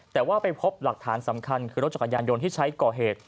แต่ว่าไปพบหลักฐานสำคัญคือรถจักรยานยนต์ที่ใช้ก่อเหตุ